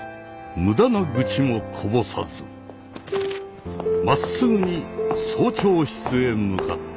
無駄な愚痴もこぼさずまっすぐに総長室へ向かった。